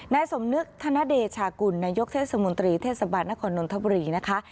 นายสมนึกธนเดชากุลนายกเทศมนตรีเทศบาลนครนนทบุรีนะคะ